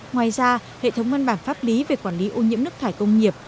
ngoài ra hệ thống văn bản pháp lý về quản lý ô nhiễm nước thải công nghiệp